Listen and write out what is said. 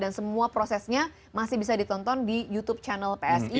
dan semua prosesnya masih bisa ditonton di youtube channel psi